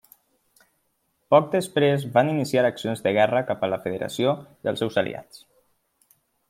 Poc després van iniciar accions de guerra cap a la Federació i els seus aliats.